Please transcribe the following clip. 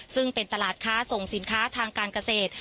ซึ่งเป็นตลาดค้าส่งสินค้าทางการเกษตร